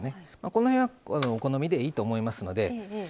この辺はお好みでいいと思いますので。